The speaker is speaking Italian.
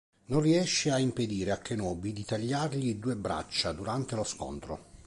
Non riesce a impedire a Kenobi di tagliargli due braccia durante lo scontro.